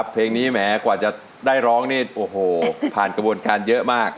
เพลงนี้แหมกว่าจะได้ร้องนี่โอ้โหผ่านกระบวนการเยอะมาก